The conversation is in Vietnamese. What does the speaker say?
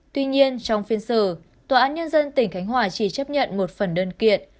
tuy nhiên trong phiên xử tòa án nhân dân tỉnh khánh hòa chỉ chấp nhận một phần đơn kiện